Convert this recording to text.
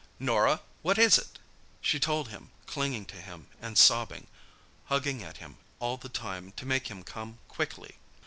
"Norah! What is it?" She told him, clinging to him and sobbing; tugging at him all the time to make him come quickly.